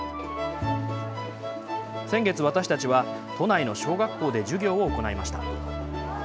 先月、私たちは、都内の小学校で授業を行いました。